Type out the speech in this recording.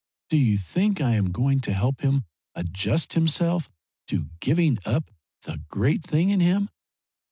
Do you think I am going to help him adjust himself to giving up the great thing in him?